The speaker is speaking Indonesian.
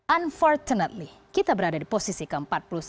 unfortunately kita berada di posisi keempat puluh satu